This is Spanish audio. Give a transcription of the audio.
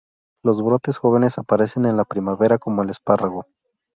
Los brotes jóvenes aparecen en la primavera como el espárrago.